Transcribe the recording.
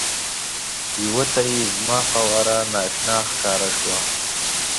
یوه ته یې زما قواره نا اشنا ښکاره شوه.